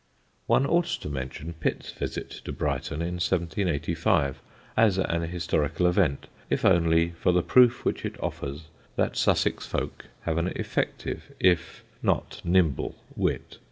One ought to mention Pitt's visit to Brighton, in 1785, as an historical event, if only for the proof which it offers that Sussex folk have an effective if not nimble wit.